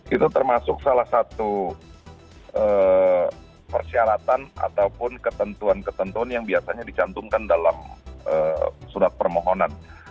itu termasuk salah satu persyaratan ataupun ketentuan ketentuan yang biasanya dicantumkan dalam surat permohonan